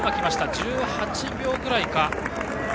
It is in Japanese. １８秒ぐらいか。